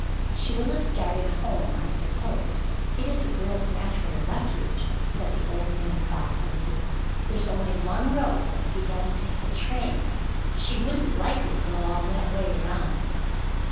"She will have started home, I suppose—it is a girl's natural refuge," said the old man thoughtfully. "There's only one road if you don't take the train. She wouldn't likely go all that way around."